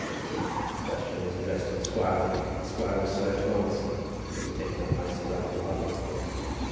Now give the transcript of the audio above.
The question was addressed to the squire, but the squire was slow to answer, and it was taken up by Sir Raffle Buffle.